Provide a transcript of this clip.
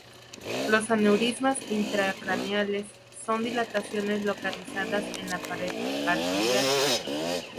Los aneurismas intracraneales son dilataciones localizadas en la pared arterial.